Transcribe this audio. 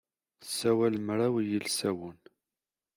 Tessawal mraw yilsawen.